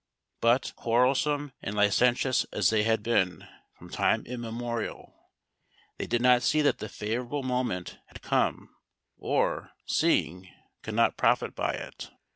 But, quarrelsome and licentious as they had been from time immemorial, they did not see that the favourable moment had come; or seeing, could not profit by it.